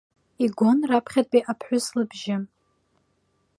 Игон раԥхьатәи аԥҳәыс лыбжьы.